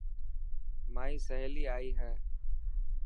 مائي سهيلي آئي هي.